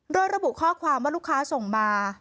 โดยระบุข้อความว่าลูกค้าส่งมา